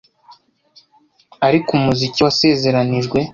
ariko Umukiza wasezeranijwe,